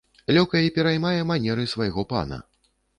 Лёкай пераймае манеры свайго пана.